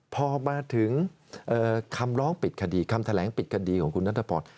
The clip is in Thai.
พอมาถึงคำร้องปิดคดีคำแถลงปิดคดีของคุณนัทพร